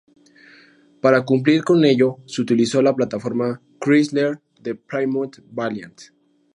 Para cumplir con ello se utilizó la plataforma Chrysler del Plymouth Valiant.